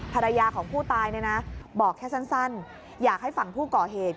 ภรรยาของผู้ตายเนี่ยนะบอกแค่สั้นอยากให้ฝั่งผู้ก่อเหตุ